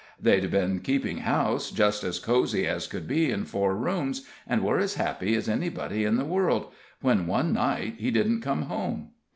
They'd been keeping house, just as cozy as could be in four rooms, and were as happy as anybody in the world, when one night he didn't come home.